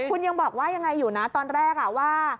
คุณยังบอกว่ายังไงอยู่นะตอนแรกว่า